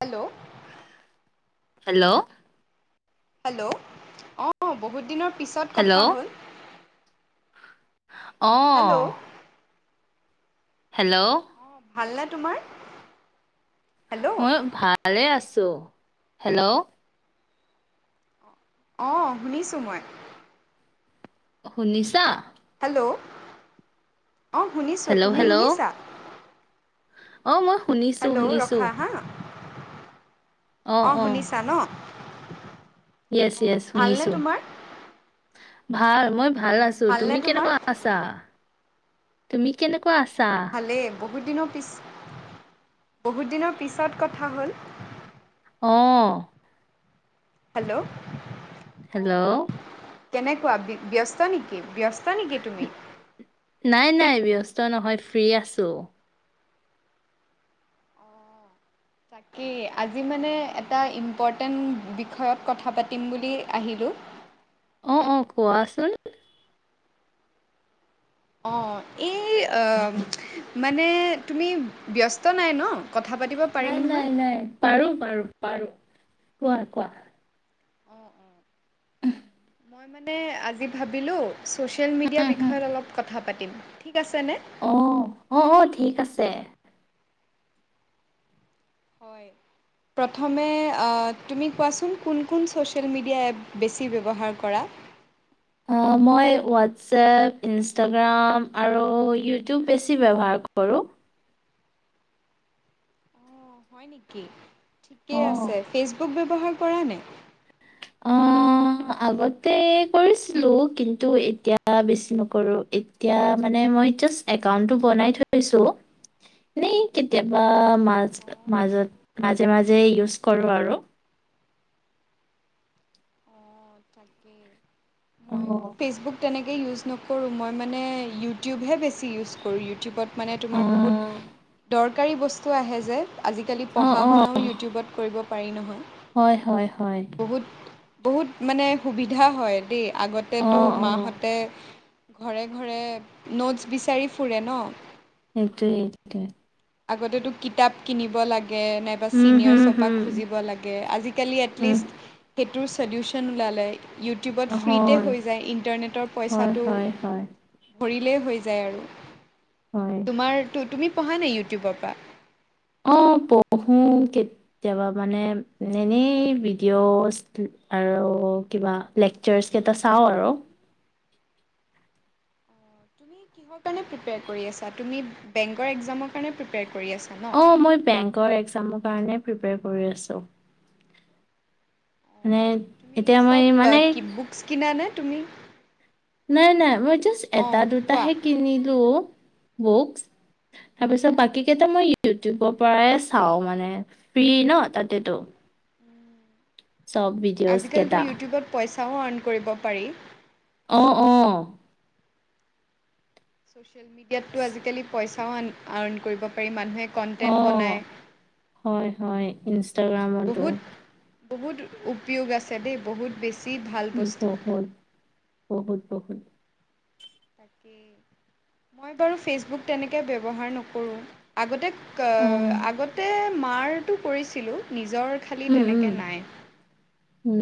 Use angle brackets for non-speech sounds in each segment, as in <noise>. Hello. Hello. Hello. অঁ, বহুত দিনত- পিছত কথা হেল্ল' হ'ল অঁ হেল্ল'। হেল্ল'। অঁ, ভালনে তোমাৰ? হেল্ল' মই ভালে আছো। হেল্ল'? অঁ, শুনিছোঁ মই। শুনিছা? হেল্ল, অঁ শুনিছোঁ হেল্ল' তুমি শুনিছা? অঁ, মই শুনিছোঁ হেল্ল' শুনিছোঁ। ৰখা হা অঁ শুনিছা ন। ইয়েছ ইয়েছ ভালনে শুনিছো। তোমাৰ ভাল মই ভাল অঁ আছো, ভালনে তুমি তোমাৰ কেনেকুৱা আছা? তুমি কেনেকুৱা আছা? ময়ো ভালেই বহুত দিনৰ পিছ, বহুত দিনৰ পিছত কথা হ'ল। অঁ। হেল্ল, হেল্ল' অঁ। কেনেকুৱা ব্যস্ত নেকি? ব্যস্ত নেকি তুমি? নাই নাই ব্যস্ত নহয় ফ্ৰী আছো। তাকে আজি মানে এটা ইম্পৰ্টেণ্ট বিষয়ত কথা পাতিম বুলি আহিলোঁ। অঁ অঁ কোৱাচোন। অঁ এই এ। মানে তুমি ব্যস্ত নাই ন, কথা পাতিব পাৰিম নাই নহয় নাই নাই পাৰো পাৰো পাৰো, কোৱা কোৱা। অঁ অঁ উমহ। মই মানে আজি ভাবিলোঁ ছ'চিয়েল মিডিয়াৰ উহু, উহু। বিষয়ত অলপ কথা পাতিম ঠিক আছেনে? অঁ অঁ অঁ, ঠিক আছে। হয়। প্ৰথমে আ তুমি কোৱাচোন কোন কোন ছ'চিয়েল মিডিয়া এপ বেছি ব্যৱহাৰ কৰা? অঁ, মই হোৱাটছএপ ইনষ্টাগ্ৰাম আৰু ইউটিউব বেছি ব্যৱহাৰ কৰোঁ। অঁ হয় নেকি? ঠিকে অ', আছে ফেচবুক ব্যৱহাৰ কৰা নে? অঁ। অঁ আগতে কৰিছিলো, কিন্তু এতিয়া বেছি নকৰো। এতিয়া মানে মই জাষ্ট একাউণ্টটো বনাই থৈছো। এনেই কেতিয়াবা মাজ অঁ মাজত মাজে মাজে ইউজ কৰোঁ আৰু। অঁ তাকে ময়ো অ', ফেচবুক তেনে ইউজ নকৰোঁ মই মানে ইউটিউবহে বেছি ইউজ কৰোঁ ইউটিউবত। মানে তোমাৰ বহুত অ', দৰকাৰী বস্তু আহে যে। আজিকালি অ', পঢ়া অ, শুনাও ইউটিউবত কৰিব পাৰি নহয়। হয়, হয়, হয়। বহুত বহুত মানে সুবিধা হয় দেই, আগতেতো অ', মাহঁ অ', তে ঘৰে ঘৰে নোটছ বিচাৰি ফুৰে ন। সেইটোৱেই এইটোৱে। আগতেতো কিতাপ কিনিব লাগে নে বা উম, চিনিয়ৰ হুম, চৰপা হুম, খুজিব লাগে আজিকালি উম, এটলিষ্ট সেইটোৰ চলিউচন ওলালে। ইউটিউবত ফ্ৰীতে হয়, হৈ যায়, ইণ্টাৰনেটৰ হয়, পইচাটো হয়, হয়, ভৰিলেই হৈ যায় আৰু, হয়। তোমাৰ তুমি পঢ়া নাই ইউটিউবৰ পৰা। অঁ পঢ়ো কেতিয়াবা মানে এনেই ভিডিঅচ আৰু কিবা লেকচাৰছ কেইটা চাওঁ আৰু। তুমি কিহৰ কাৰণে প্ৰিপেয়াৰ কৰি আছা, তুমি বেংকৰ এক্সামৰ কাৰণে প্ৰিপেয়াৰ কৰি আ অঁ, মই বেংকৰ এক্সামৰ কাৰণে প্ৰিপিয়াৰ কৰি আছোঁ। মানে তুমি এতিয়া মই চব মানে কি বুকচ কিনা নে তুমি? নাই নাই, মই জাষ্ট এটা অঁ কোৱা। দুটাহে কিনিলো বুকছ। তাৰপিছত বাকী কেইটা মই ইউটিউবৰ পৰাই চাও মানে, ফ্ৰী ন তাতেটো। ভিডিঅ'জ আজিকালিতো কেইটা। ইউটিউবত পইচাও আৰ্ণ কৰিব পাৰি। অ অ। ছ'চিয়েল মিডিয়াতটো আজিকালি পইচাও আ আৰ্ণ কৰিব পাৰি, মানুহে কণ্টেণ্ট অ', বনায়। হয় হয় ইঞ্চ বহুত বহুত উপয়োগ আছে দেই বহুত বেছি। ভাল বস্তু। বহুত বহুত বহুত। তাকেই। মই বাৰু ফেচবুক তেনেকে ব্যৱহাৰ নকৰোঁ, আগতে অ আগতে মাৰটো কৰিছিলোঁ, নিজৰ খালী তেনেকৈ নাই। <unintelligible>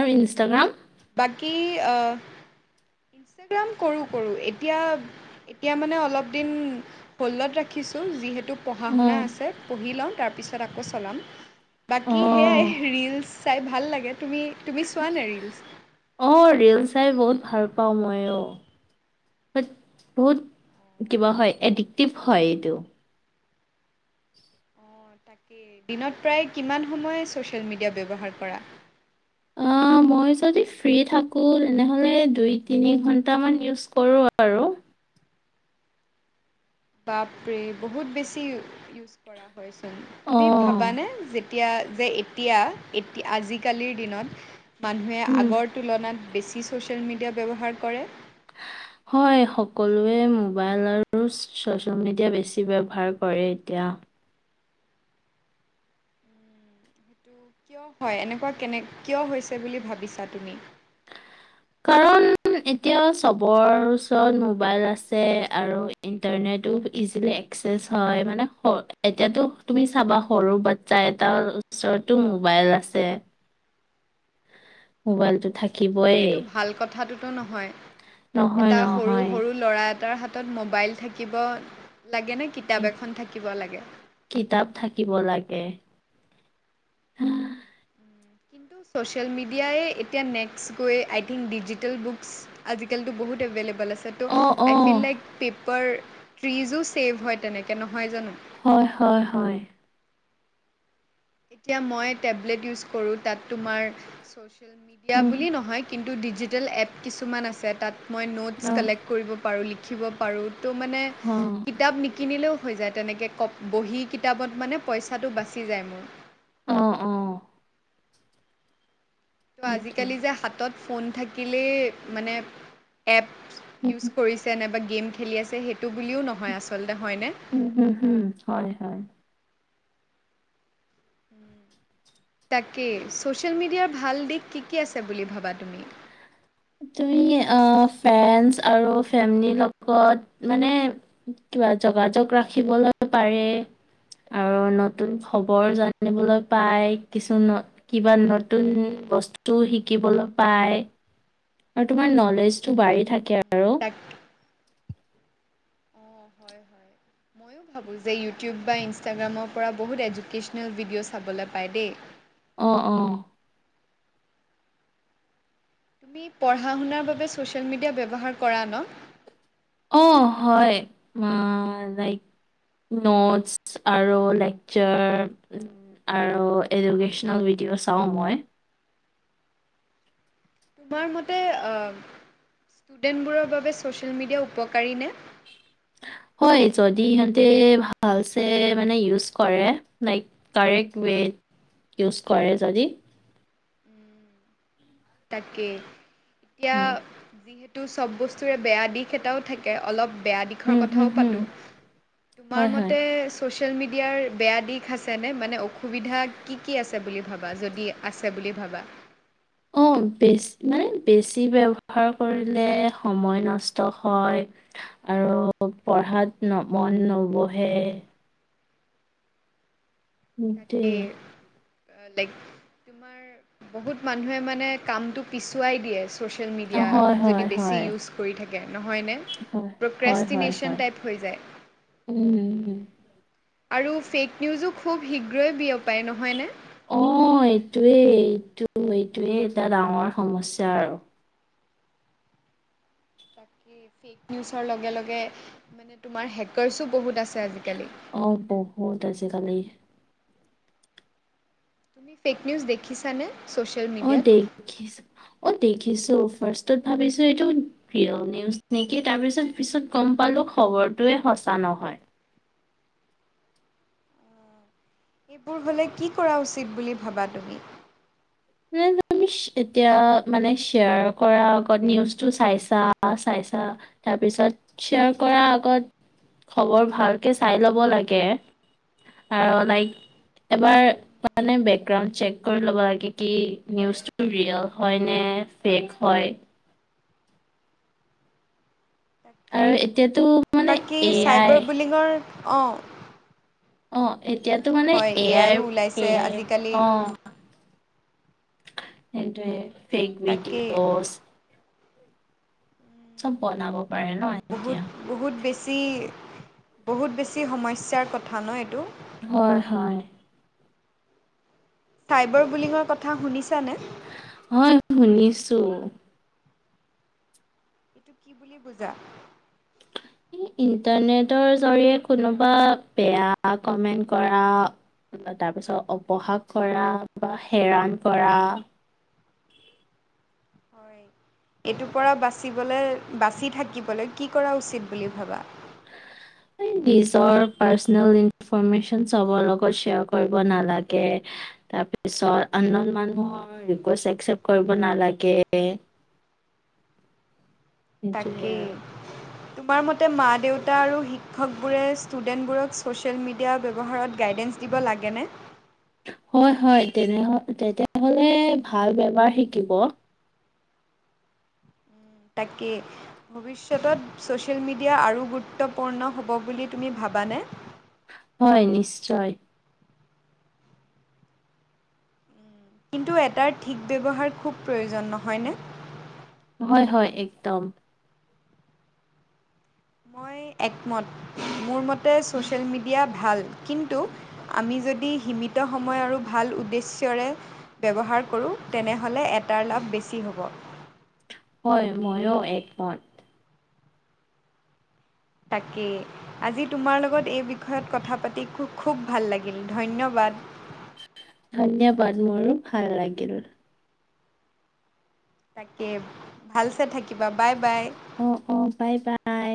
আৰু ইনষ্টাগ্ৰাম? বাকী অ ইনষ্টাগ্ৰাম কৰোঁ কৰো এতিয়া এতিয়া মানে অলপ দিন হ'লদত ৰাখিছোঁ যিহেতু পঢ়া শুনা অ', আছে পঢ়ি লওঁ তাৰপিছত আকৌ চলাম। বাকী সেয়াই অ', ৰীলচ চাই ভাল লাগে তুমি তুমি চোৱা নে ৰিলচ? অ ৰিল চাই বহুত ভাল পাওঁ মই অ। বাট বহুত কিবা হয় এডিক্টিভ হয় এইটো। তাকে, দিনত প্ৰায় কিমান সময় চচিয়েল মিডিয়া ব্যয়ৱহাৰ কৰা? অ', <inaudible> মই যদি ফ্ৰী থাকোঁ তেনেহ'লে দুই তিনি ঘণ্টামান ইউজ কৰোঁ আৰু। বাপৰে বহুত বেছি ইউজ কৰা হয়চোন, তুমি অ', ভাবানে যেতিয়া যে এতিয়া এতিযল আজিকালিৰ দিনত মানুহে উম, আগৰ তুলনাত বেছি ছ'চিয়েল মিডিয়া ব্যৱহাৰ কৰে। হয় সকলোৱে মোবাইল আৰু ছচিয়েল মিডিয়া বেছি ব্যৱহাৰ কৰে এতিয়া। সেইটো কিয় হয় এনেকুৱা কেনে কিয় হৈছে বুলি ভাবিছা তুমি? <inaudible> উম এতিয়া চবৰ ওচৰত মোবাইল আছে আৰু ইণ্টাৰনেটো ইজিলি ক্সেছ হয় মানে স এতিয়াতো তুমি চাবা সৰু বাচ্ছা এটাও ওচৰতো মোবাইল আছে। মোবাইলটো অ কিন্তু থাকিবই সেইটো ভাল কথাটোতো নহয়, নহয় এটা সৰু নহয় সৰু ল'ৰা এটাৰ হাত ত মোবাইল থাকিব লাগে নে এই কিতাপ এখন থাকিব লাগে? কিতাপ থাকিব লাগে। কিন্তু ছ'চিয়েল মিডিয়াই এতিয়া নেক্স গৈ আই থিংক ডিজিটেল বুকচ আজিকালিতো বহুত এভেইলেবল আছে। ত' অ অ আই ফিল লাইক পেপাৰ ট্ৰিজো ছেভ হয় তেনেকে নহয় জানো? হয় হয় হয়। এতিয়া মই টেবলেট ইউজ কৰোঁ তাত তোমাৰ ছ'চিয়েল মিডিয়া উম, বুলি নহয় কিন্তু ডিজিটেল এপ কিছুমান আছে তাত মই অ ন'টছ কালেক্ট কৰিব পাৰো লি লিখিব পাৰোঁ ত' মানে কিতাপ নিকিনিলেও হৈ যায় তেনেকৈ ক বহি কিতাপত মানে পইচাটো বাচি যায় মোৰ। অ অ। ত সেইটোৱে। আজিকালি যে উম, হাতত ফোন থাকিলেই মানে এপ ইউজ হুম, কৰিছ যেনেবা গেম খেলি আছে সেইটো বুলিও নহয় আচলতে হয়নে? উম হুম হুম। হয় হয়। তাকেই ছ'চিয়েল মিডিয়াৰ ভাল দিশ কি কি আছে বুলি ভাবা তুমি। তুমি অ ফ্ৰেণ্ডচ আৰু ফেমিলিৰ লগত মানে। কিবা যোগাযোগ ৰাখিবলৈ পাৰে। আৰু নতুন খবৰ জানিবলৈ পাই কিছু। কিবা নতুন বস্তু শিকিবলৈ পায়। আৰু তোমাৰ নলেজটো বাঢ়ি থাকে আৰু। <inaudible> অ' হয় হয়। ময়ো ভাবোঁ যে ইউটিউব বা ইনষ্টাগ্ৰামৰ পৰা বহুত এডুকেশ্যনেল ভিডিঅ' চাবলৈ পায় দেই। অ অ। তুমি পঢ়া শুনাৰ বাবে ছ'চিয়েল মিডিয়া ব্যৱহাৰ কৰা ন। অ' হয় <unintelligible> নটছ আৰু লেকচাৰ। আৰু এডুকেশ্যনেল ভিডিঅ' চাওঁ মই। তোমাৰ মতে ষ্টুডেণ্টবোৰৰ বাবে ছ'চিয়েল মিডিয়া উপকাৰী নে। হয় যদি সিহঁতে ভালচে মানে ইউজ কৰে লাইক। কাৰেক্ট ৱেত ইউজ কৰে যদি। তাকে এতিয়া লাইক যিহেত তু চব বস্তুৰে বেয়া দিশ এটাও থাকে অলপ বেয়া দিশ। শৰ উম, হুম, কথাও হুম, পাতো তোমাৰ হয়, হয়। মতে ছ'চিয়েল মিডিয়াৰ বেয়া দিশ আছেনে মানে অসুবিধা কি কি আছে বুলি ভাবা যদি। আছে বুলি ভাবা। অ' বেছ মানে বেছি ব্যৱহাৰ কৰিলে সময় নষ্ট হয়। আৰু পঢ়াত মন নবহে। তাকে। সেইটোৱে। লাইক তোমাৰ বহুত মানুহে মানে কামটো পিছুৱাই দিয়ে ছ'চিয়েল অ', হয়, মিডিয়া হয়, যদি বেছি হয়, ইউজ কৰি থাকে নহয়নে। হয়, হয়, হয়, প্ৰক্ৰেষ্টিনেশ্যন হয়। টাইপ হৈ যায়। উম আৰু ফেক নিউজো খুব শীঘ্ৰেই বিয়পায় নহয়নে। অ' এইটোৱেই এইটো এইটোৱেই এটা ডাঙৰ সমস্যা আৰু। তাকে ফেক নিউজৰ লগে লগে মানে তোমাৰ হেকাৰছো বহুত আছে আজিকালি। অ' বহুত আজিকালি। তুমি ফেক নিউজ দেখিছা নে চ'ছ অ' দেখিছো অ' দেখিছো ফাৰ্ষ্টত ভাবিছো এইটো। প্ৰিয় নিউজ নেকি তাৰ পিছত পিছত গম পালো খবৰটোৱে সঁচা নহয়। এইবোৰ হ'লে কি কৰা উচিত বুলি ভাবা তুমি। মানে <inaudible> তুমি এতিয়া মানে শ্বেয়াৰ কৰা আগত নিউজটো চাইছা চাইছা। তাৰপিছত শ্বেয়াৰ কৰাৰ আগত খবৰ ভালকে চাই ল'ব লাগে। আৰু লাইক এবাৰ মানে বেকগ্ৰাউণ্ড চেক কৰি ল'ব লাগে কি নিউজটো ৰিয়েল হয় নে ফেক হয় আৰু এতিয়াতো মানে বাকী এ আই চাইবাৰ বিলিঙৰ অ' অ' এতিয়াতো মানে হয় এ আই আইও এ ওলাইছে আই আজিকালি অ' সেটোৱে ফেক তাকেই ভিডিঅ'জ চব বনাব পাৰে ন তাকেই বহুত এতিয়া বহুত বেছি, বহুত বেছি সমস্যাৰ কথা ন এইটো? হয় হয়। চাইবাৰ বুলিঙৰ কথা শুনিছানে? হয় শুনিছো। কি বুজা? ইণ্টাৰনেটৰ জৰিয়ে কোনোবা বেয়া কমেন্ট কৰা তাৰপিছত অপহাস কৰা বা হেৰাণ কৰা হয়, এইটোৰ পৰা বাচিবলে, বাচি থাকিবলৈ কি কৰা উচিত বুলি ভাবা? <inaudible> নিজৰ পাৰ্চনেল ইনফৰমেচ্যন চবৰ লগত শ্বেয়াৰ কৰিব নালাগে। তাৰপিছত আন নউন মানুহৰ ৰিকুৱেষ্ট একচেপ্ত কৰিব নালাগে। সেইটোৱে তাকেই। আৰু তোমাৰ মতে মা দেউতা আৰু শিক্ষকবোৰে ষ্টুডেণ্টবোৰক ছ'চিয়েল মিডিয়া ব্যৱহাৰত গাইডেন্স দিব লাগেনে? হয় হয় তেনেহল তেতিয়া হলে ভাল ব্যৱহাৰ শিকিব। তাকে। ভৱিষ্যতত ছ'চিয়েল মিডিয়া আৰু গুৰুত্বপূৰ্ণ হ'ব বুলি তুমি ভাবানে? হয় নিশ্চয়। কিন্তু এটাৰ ঠিক ব্যৱহাৰ খুব প্ৰয়োজন নহয়নে? হয় হয় একদম। মই একমত, মোৰ মতে ছ'চিয়েল মিডিয়া ভাল কিন্তু আমি যদি সীমিত সময় আৰু ভাল উদ্দেশ্যৰে ব্যৱহাৰ কৰোঁ তেনেহ'লে এটাৰ লাভ বেছি হ'ব। হয় ময়ো একমত। তাকেই। আজি তোমাৰ লগত এই বিষয়ত কথা পাতি খু খুব ভাল লাগিল ধন্যবাদ। ধন্যবাদ মোৰো ভাল লাগিল। তাকে ভালছে থাকিবা, বাই বাই। অঁ অঁ বাই বাই।